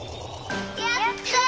やった！